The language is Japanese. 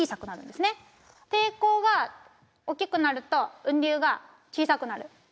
抵抗がおっきくなるとうん流が小さくなる。